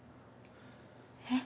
えっ？